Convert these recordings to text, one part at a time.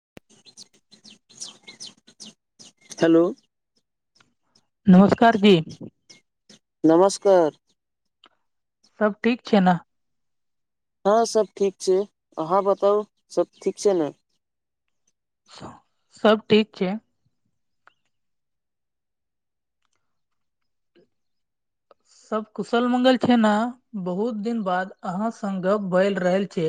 [inaudible] Hello नमस्कार दी नमस्कार सब ठीक छै न हँ सब ठीक छै अहाँ बताउ सब ठीक छै ने सब ठीक छै। सब कुशल मंगल छै न बहुत दिन बाद अहां संग गप बैल रहल छै।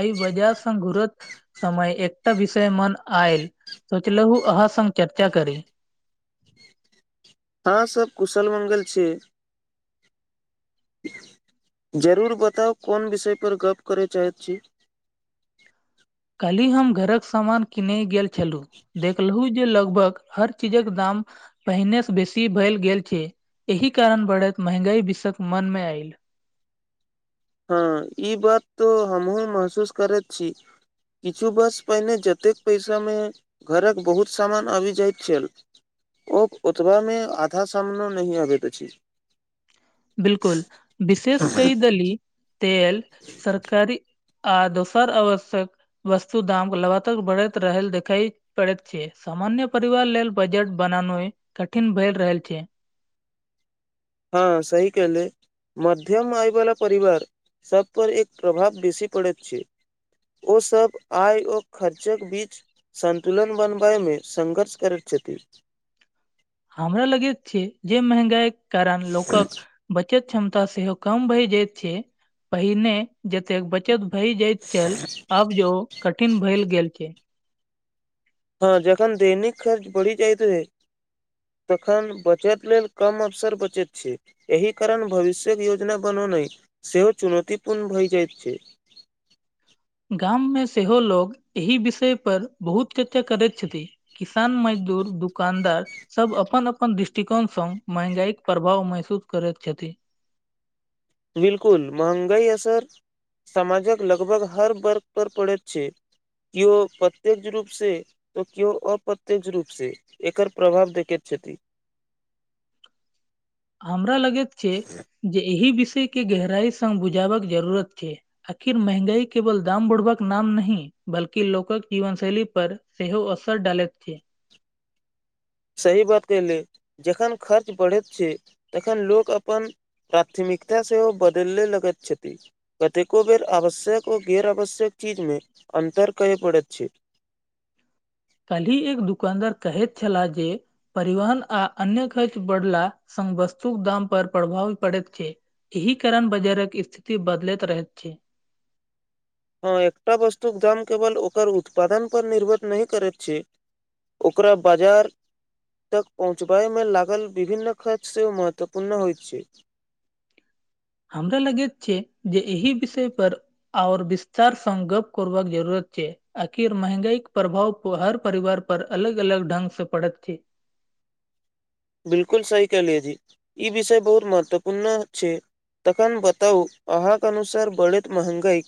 एइ वजहसँ घुरत समय एकटा विषय मन आयल सोचलहु अहाँ संग चर्चा करी। आहाँ सब कुशल मंगल छी जरूर बताउ कोन विषय पर गप्प करय चाहैत छी। काल्हि हम घरक समान किनय गेल छलु देखलूहूजे लगभग हर चीजक दाम पहिने स बेसी भल गेल छै एहि कारण बढ़ैक महगाई विसक मन मे आयल हँ ई बात तो हमहहुँ महसूस करैत छी। किछु बस पहिने जतेक पैसामे घरक बहुत सामान आबि जाइत छल। ओ ओतबामे आधा सामनो नही अबैत अछि बिल्कुल विशेष कई देली तेल सरकारी आ दोसर आवश्यक वस्तु दाम लगातार बढ़ैत रहल देखैत पड़ैत छै सामान्य परिवार लेल बजट बनानोय कठिन भए रहल छै। हँ सही कहले मध्यम आयवला परिवार सब पर एक प्रभाव बेसी पड़ैत छै। ओसब आय ओ खर्चक बीच सन्तुलन बनबैय मे संघर्ष करैत छथि। हमरा लगेत छै जे महगाई कारण लोकक बचत क्षमता सेहो कम भय जयत छै पहिने जतेक बचत भए जाइत छल आब जो कठिन भए गेल छै। हँ जखन दैनिक खर्च बढ़ि जाइतत तखन बचत लेल कम अवसर बचैत छै। एहि कारण भविष्यक योजना बनौना सेहो चुनौतीपूर्ण भय जाइत छै। गाममे सेहो लोक एहि विषयपर बहुत [unintelligible] करैत छथिन। किसान मजदूर दुकानदार सब अपन अपन दृष्टिकोणसँ महँंगाईक प्रभाव महसूस करैत छथि। बिल्कुल महंगाई असर सामाजक लगभग हर वर्ग पर पड़ैत छै। कियो प्रत्येक रूपसँ तऽ केओ औ अप्रत्यक्ष रूपसँ एकर प्रभाव देखैत छथि हमरा लगै छै जे एहि विषयके गहराइसँ बुझबाक जरूरत छै। आखिर महंगाई केवल दाम बढ़बाक नाम नहिह बल्कि लोकक जीवन शैली पर सेहो असर डालैत छैे सही बात [unintelligible] जखन खर्च बढ़ैत छै तखन लोक अपन प्राथमिकता सेहो बदले लगति छति कतेको बेर आवश्यक ओ गैर आवश्यक चीजमे अन्तर करय पड़ैत छै काल्हि एक दुकानदार कहैत छलाह जे परिवहन आ अन्य खर्च बढ़ला सँ वस्तुक दाम पर प्रभाव पड़ैत छै एहि कारण बाजारक स्थिति बदलैत रहैत छै हँ एकटा वस्तुक दाम केवल ओकर उत्पादन पर निर्भर नहि करैत छै ओकरा बजार तक पहुँचबायमे लागल विभन्न खर्च सेहो महत्वपूर्ण होइ छै हमरा लगैत छै जे एहि विषय पर आओर विस्तार सं गप करबाक जरूरत छै अखिर महंगाई के प्रभाव हर परिवार पर अलग अलग ढंग सँ पड़ेत छै बिलकुल सही कहलिए जी ई विषय बहुत महत्वपूर्ण छै तखन बताउ अहाँक अनुसार बढ़ैत महंगाई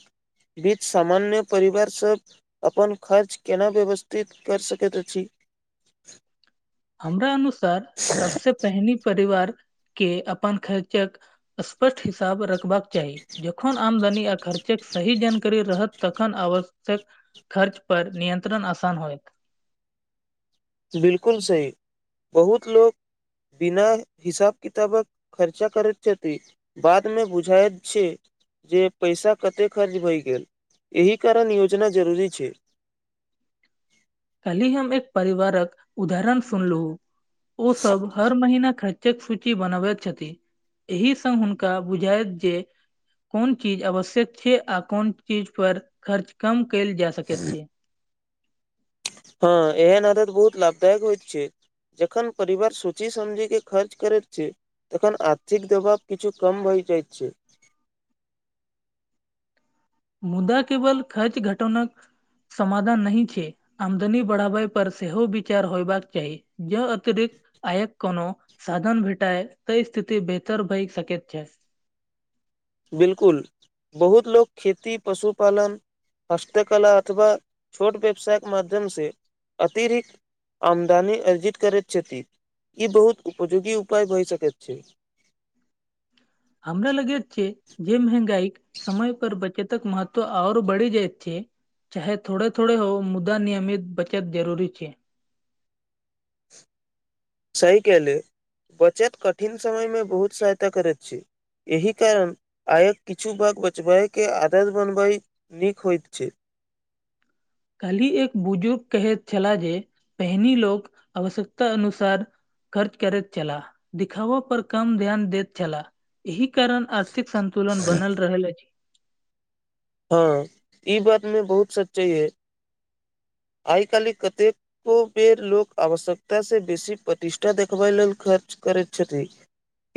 बीच सामान्य परिवार सभ अपन खर्च केना व्यवस्थित कर सकैत अछि हमरा अनुसार सबसे पहिने परिवार के अपन खर्चक स्पष्ट हिसाब रख बाक चाही जखन आमदनी आ खर्चक सही जानकारी रहत तखन आवक खर्च पर नियंत्रण आसान होएत बिल्कुल सही बहुत लोक बिना हिसाब किताबक खर्चा करैत छथि बादमे बुझायत छै जे पैसा कते खर्च भएई गेल एहि कारण योजना जरूरी छै काल्हि हम एक परिवारक उदाहरण सुनलु ओ सब हर महिना खर्च फूची बनबैत छथि एहि सं हुनका बुझाइत जे कोन चीज आवश्यक छै आ कोन चीज पर खर्च कम कयल जा सकैत छै हँ एहन आदत बहुत लाभदायक होइत छै जखन परिवर सोची समझी के खर्च करैत छै तखन आर्थिक दबाब किछु कम भय जायत छै मुद्दा केवल खर्च घटोनाक समाधान नही छै आमदनी बढ़ाबय पर सेहो विचार होयबाक चाही जो अतिरिक्त आयक कोनो साधन भेटए तै स्थिति बेहतर भइ सकेत छै बिलकुल बहुत लोक खेती पशुपालन हस्तकला अथवा छोट व्यवसाय केँ माध्यम से अतिरिक्त आमदनी अर्जित करैत छथि ई बहुत उपयोगी उपाय भए सकैत छै हमरा लगैत छै जे महगाईक समय पर बचतक मह त्व आओर बढ़ि जाइत छै चाहे थोड़े थोड़े हो मुद्दा नियमित बचत जरूरी छै सही कहलि बचत कठिन समयमे बहुत सहायता करैत छै एहि कारण आयक किछु भाग बचबाय केँ आदत बनबाई नीक होइत छै काल्हि एक बुजुर्ग कहेत छला जे पहिनी लोक आवश्यकता अनुसार खर्च करैत छला दिखावा पर कम ध्यान देैत छला एहिक करण आर्थिक संन्तुलन बनल रहल अछि हँ ई बात मे बहुत सच्चये अय आइ काल्हि कते को बेर लोक आवश्यकता से बेसी प्रतिष्ठा देखबै लेल खर्च करैत छथि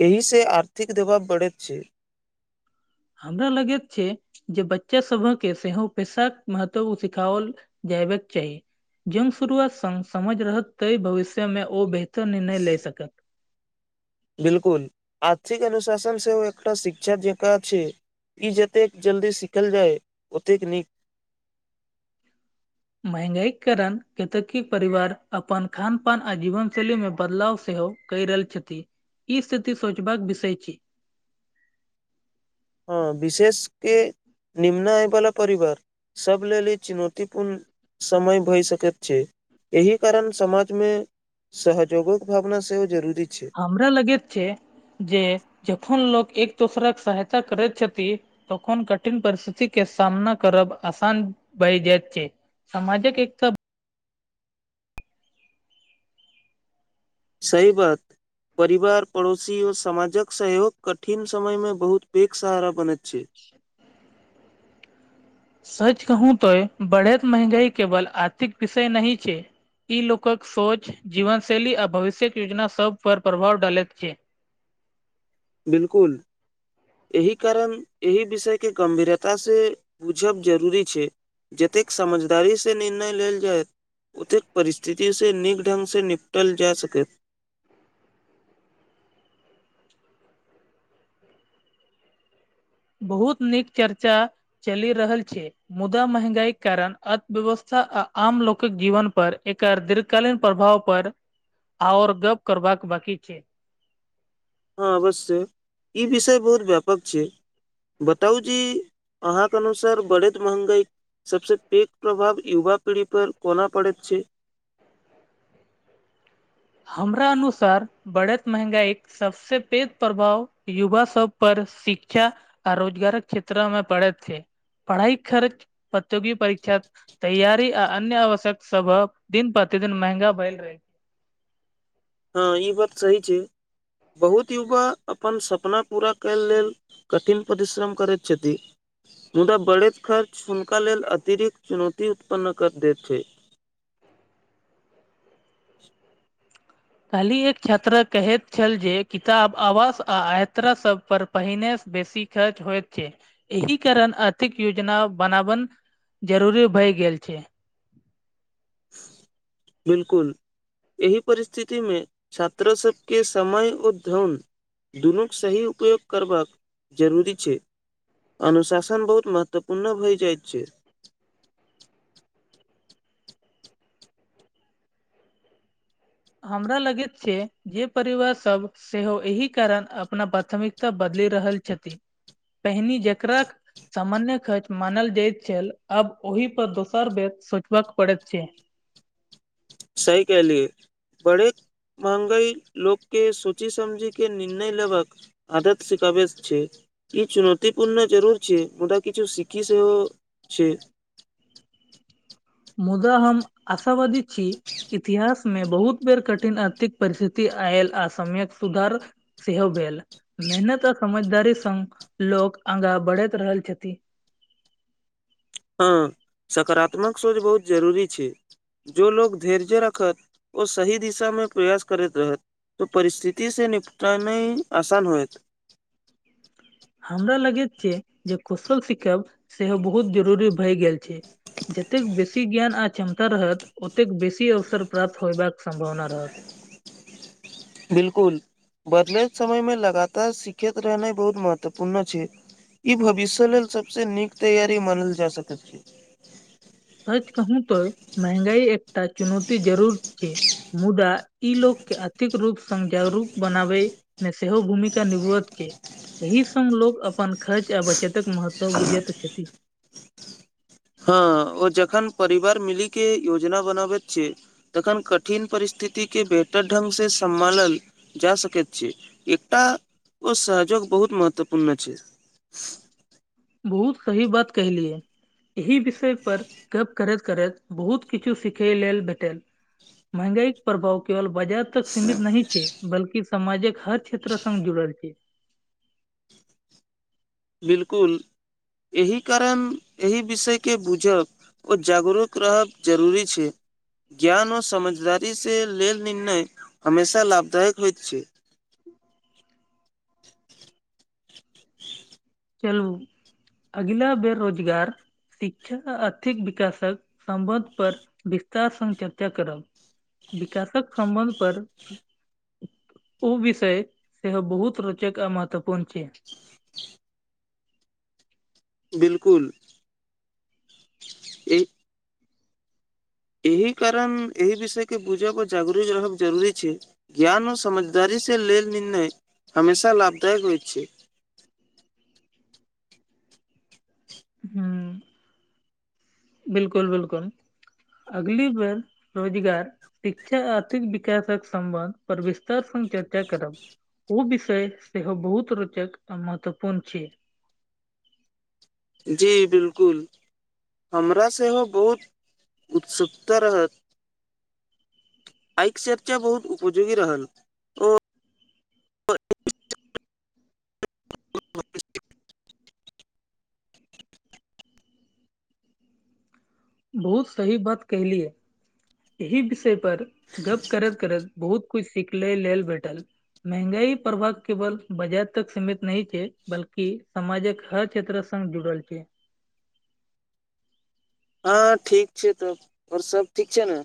एहि से आर्थिक दबाब बढ़ैत छै हमरा लगैत छै जे बच्चा सबहक केँ सेहो पैेसाक महत्व सिखाओल जयबाक चाही जन शुरुआत सन समझ रहत ताहि भविष्यमे ओ बेहतर निर्णय लए सकत बिलकुल आर्थिक अनुशासन सेहो एकटा शिक्षा जेका छै ई जतेक जल्दी सीखल जाय ओतेक नीक महगाई करण केतेकी परिवार अपन खान - पान आ जीवन शैली मे बदलाव सेहो कैय रहल छथि ई स्थिति सोचबाक विषय छी हँ विशेष केँ निम्नय वला परिवार सभ लेल ई चुनौतीपूर्ण समय भए सकैत छै एहि कारण समाजमे सहजोगक भावना सेहो जरूरी छै हमरा लगैत छै जे जखन लोग एक दोसरा केँ सहायता करे छथि तखन कठिन परिस्थिति केँ सामना करब आसान भय जाइत छै समाजक एकता सही बात परिवार पड़ोसी औ समाजक सहयोग कठिन समय मे बहुत पैघ सहारा बनैत छै [inaudible] सैच कहू तैय बढ़ैत महंगाई केवल आर्थिक विषय नही छै ई लोकक सोच जीवनशैली आ भविष्यक योजना सभपर प्रभाव डालैत छै बिल्कुल एहि कारण एहि विषय केँ गंभीरता से बुझब जरूरी छै जतेक समझदारी सँ निर्णय लेल जाय ओतेक परिस्थिति सँ नीक ढंगसँ निपटल जा सकैत बहुत नीक चर्चा चलि रहल छै मुदा महंगाई केँ कारण अर्थव्यवस्था आ आम लोकक जीवन पर एकर दृत कालीन प्रभाव पर आओर गप करबाक बाकी छै हँ अवश्य ई विषय बहुत व्यापक छै बताउ जे अहाँ कऽ अनुसार बढ़ैत महंगाई सबसे पैघ प्रभाव युवा पीढ़ी पर कोना पड़ैत छैय हमरा अनुसार बढ़ैत महंगाई सबसे पेघ प्रभाव युवा सब पर शिक्षा आ रोजगारक क्षेत्र मे बढ़ेत छै पढ़ाई खर्च प्रत्योगि परीक्षा तैयारी आ अन्य आवश्यक सब दिन - प्रतिदिन महंगा भैल रहै हँ ई बात सही छैय बहुत युवा अपन सपना पूरा कयल लेल कठिन परिश्रम करै छति मुदा बढ़ैत खर्च हुनका लेल अतिरिक्त चुनौती उत्पन्न कर दैत छैय काल्हि एक छात्रा कहैत छल जे किताब आवास आ यात्रा सब पर पहिनेसँ बेसी खर्च हो छैय एहि कारण आर्थिक योजना बनाबन जरूरी भए गेल छैय बिल्कुल एहि परिस्थिति मे छात्रों सबके समय ओ धन दुनूके सही उपयोग करबाक जरूरी छैय अनुशासन बहुत महत्वपूर्ण भय जाइत छैय हमरा लगैत छैय जे परिवार सब सेहो एहि कारण अपना प्राथमिकता बदलि रहल छथिन पहिनी जकराक सामान्य खर्च मानल जाइत छल आब ओहि पर दोसर बेत सोचबाक पड़ैत छैय सही कहेलियए बड़े महंगाई लोक के सोचै समझै के निर्णय लेभग आदत सिखाबे छैय ई चुनौतीपूर्ण जरूर छै मुदा किछु सीखी सेहो छै मुदा हम असावदी छी इतिहास में बहुत बेर कठिन आर्थिक परिस्थिति आयल आ समय्यक सुधार सेहो भेल मेहनत आ समझदारी संघ लोक आगाँ बढ़ैत रहल छथिन हँ सकारात्मक सोच बहुत जरूरी छैय जो लोग धैर्ज रखत ओ सही दिशामे प्रयास करैत रहै त परिस्थिति से निपटानै आसान होएत हमरा लगैत छै जे कौशल सिखब सेहो बहुत जरूरी भए गेल छै जतेक बेसी ज्ञान आ क्षमता रहत ओतेक बेसी अवसर प्राप्त होयबाक सम्भावना रहत बिलकुल बदलेत समय में लगातार सिखैत रहनाइ बहुत महत्वपूर्ण छै ई भविष्य लेल सबसे नीक तैयारी मानल जा सकैत छै सच कहू त महंगाई एकटा चुनौती जरूर छी मुदा ई लोकके आर्थिक रूप संग‌ जागरूक बनाबै मे सेहो भूमिका निभवत के एहि संग लोक अपन खर्च आ बचतक महत्व बुझैत छथि हँ ओ जखन परिवार मिली के योजना बनाबैत छै तखन कठिन परिस्थिति के बेहतर ढंग से सम्हालल जा सकैत छै एकटा ओ सहजोग बहुत महत्वपूर्ण छै बहुत सही बात कहलियै एहि विषय पर गप करैत करैत बहुत किछु सिखैइ लेल भेटल महगाईक प्रभाव केवल बजार तक सीमित नहि छै बल्कि समाजक हर क्षेत्र संग जुड़ल छै बिलकुल एहि कारण एहि विषयके बुझब ओ जागरूक रहब जरूरी छै ज्ञान आ समझदारी सँ लेल निर्णय हमेशा लाभदायक होइत छै [inaudible] [inaudible] चलु अगिला बेर रोजगार शिक्षा आ आर्थिक विकासक सम्बन्ध पर विस्तार सँ चर्चा करब विकासक संबन्ध पर उ विषय सेहो बहुत रोचक आ महत्वपूर्ण छै [inaudible] बिलकुल ई एहि कारण एहि विषय केँ बुझब आ जागरू रहब जरूरी छै ज्ञान आ समझदारी सँ लेल निर्णय हमेशा लाभदायक होइत छै [inaudible] [inaudible] हुँ बिलकुल बिलकुल अगली बेर रोजगार शिक्षा आ आर्थिक विकासक सम्बन्ध पर विस्तार सँ चर्चा करब उ विषय सेहो बहुत रोचक आ महत्वपूर्ण छी जी बिलकुल हमरा सेहो बहुत उत्सुकता रहत आइक चर्चा बहुत उपजोगी रहल ओ [inaudible] [inaudible] [inaudible] बहुत सही बात कहलियै एहि विषय पर गप करत - करत बहुत कुछ सिखले लेल भेटल महंगाई प्रभाव केवल बाजार तक सीमित नहि छै बल्कि समाजक हर क्षेत्र संग जुड़ल छै हँ ठीक छै तब आओर सब ठीक छै नऽ